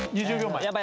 ２０秒前。